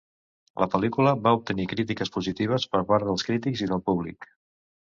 La pel·lícula va obtenir crítiques positives per part dels crítics i del públic.